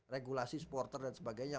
regulasi supporter dan sebagainya